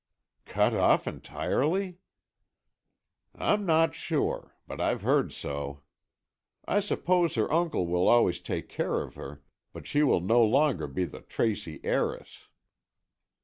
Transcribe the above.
"Cut off entirely?" "I'm not sure, but I've heard so. I suppose her uncle will always take care of her, but she will no longer be the Tracy heiress."